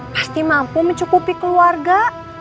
pasti mampu mencukupi keluarga